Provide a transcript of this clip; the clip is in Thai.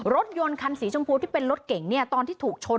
รถยนต์คันสีชมพูที่เป็นรถเก่งเนี่ยตอนที่ถูกชน